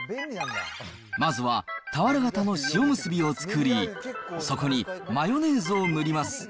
まずは俵型の塩むすびを作り、そこにマヨネーズを塗ります。